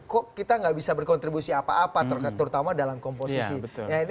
kok kita nggak bisa berkontribusi apa apa terutama dalam komposisi